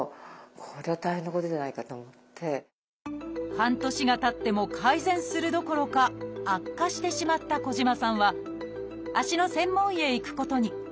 半年がたっても改善するどころか悪化してしまった児島さんは足の専門医へ行くことに。